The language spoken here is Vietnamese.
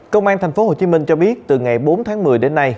công an tp hcm cho biết từ ngày bốn tháng một mươi đến nay